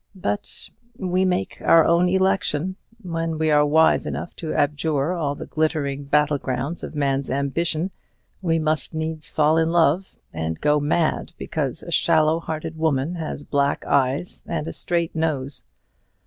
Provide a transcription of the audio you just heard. But we make our own election. When we are wise enough to abjure all the glittering battle grounds of man's ambition, we must needs fall in love, and go mad because a shallow hearted woman has black eyes and a straight nose.